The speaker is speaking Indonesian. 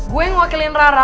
gue yang wakilin rara